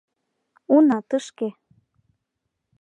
Уна тышке.